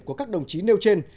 của các đồng chí nêu trên